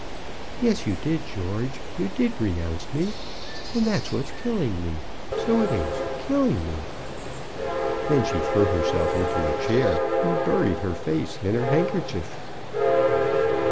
"Yes; you did, George. You did renounce me, and that's what's killing me. So it is, killing me." Then she threw herself into a chair and buried her face in her handkerchief.